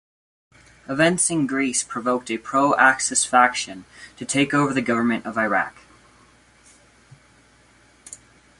Events in Greece provoked a pro-Axis faction to take over the government of Iraq.